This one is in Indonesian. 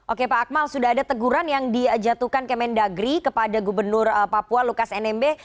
oke pak akmal sudah ada teguran yang dijatuhkan kemendagri kepada gubernur papua lukas nmb